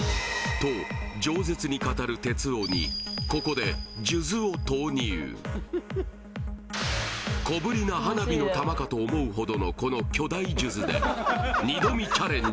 と饒舌に語る哲夫にここで小ぶりな花火の玉かと思うほどのこの巨大数珠で２度見チャレンジ